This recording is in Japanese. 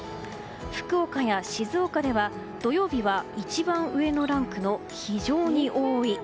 福岡や静岡では、土曜日は一番上のランクの、非常に多い。